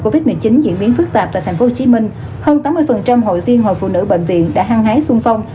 covid một mươi chín diễn biến phức tạp tại tp hcm hơn tám mươi hội viên hội phụ nữ bệnh viện đã hăng hái sung phong